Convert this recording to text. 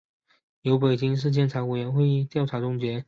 由北京市监察委员会调查终结